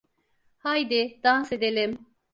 Haydi, dans edelim.